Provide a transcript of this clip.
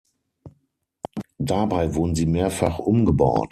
Dabei wurden sie mehrfach umgebaut.